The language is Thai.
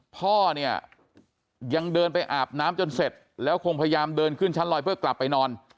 พ่อเนี่ยยังเดินไปอาบน้ำจนเสร็จแล้วคงพยายามเดินขึ้นชั้นลอยเพื่อกลับไปนอน